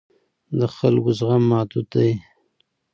د خلکو زغم محدود دی